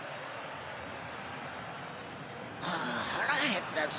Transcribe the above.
あ腹へったぞ。